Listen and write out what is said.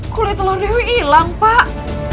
kulit telur dewi hilang pak